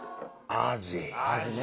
アジね。